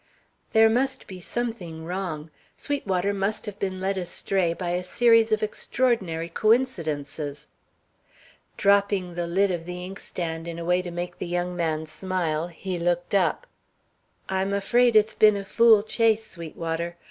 There must be something wrong. Sweetwater must have been led astray by a series of extraordinary coincidences. Dropping the lid of the inkstand in a way to make the young man smile, he looked up. "I'm afraid it's been a fool chase, Sweetwater.